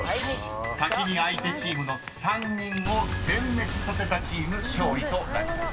［先に相手チームの３人を全滅させたチーム勝利となります。